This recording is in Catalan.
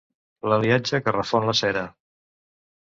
L'aliatge que refon la cera.